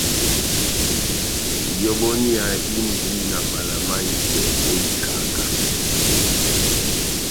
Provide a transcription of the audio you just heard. Ihɔbɔniya indi na mala mahitɛ ó ikaká.